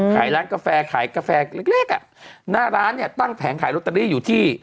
ขายร้านกาแฟขายกาแฟเล็กเล็กอ่ะหน้าร้านเนี่ยตั้งแผงขายลอตเตอรี่อยู่ที่